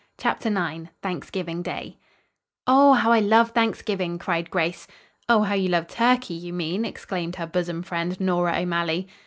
CHAPTER IX THANKSGIVING DAY "Oh, how I love Thanksgiving!" cried Grace. "Oh, how you love turkey, you mean," exclaimed her bosom friend, Nora O'Malley.